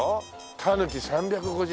たぬき３５０円。